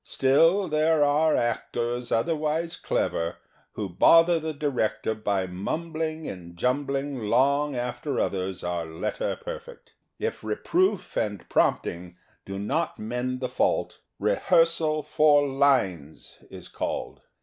Still, there are actors other wise clever who bother the director by mumbling and jumbling long after others are letter perfect. If reproof and prompting do not mend the fault, " rehearsal for lines" is called.